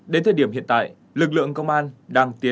đến thời điểm hiện tại lực lượng công an đang phát triển